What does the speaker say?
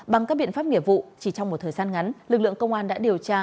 bằng các biện pháp nghiệp vụ chỉ trong một thời gian ngắn lực lượng công an đã điều tra